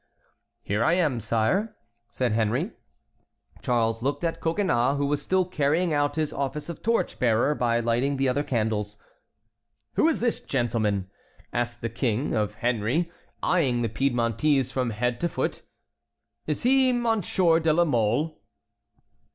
"Here I am, sire," said Henry. Charles looked at Coconnas, who was still carrying out his office of torch bearer by lighting the other candles. "Who is this gentleman?" asked the King of Henry, eyeing the Piedmontese from head to foot. "Is he Monsieur de la Mole?"